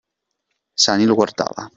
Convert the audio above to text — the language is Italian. Sani lo guardava.